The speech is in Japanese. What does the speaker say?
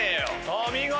お見事！